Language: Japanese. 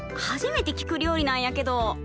初めて聞く料理なんやけど。